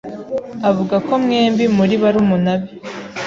avuga ko mwembi muri barumuna be.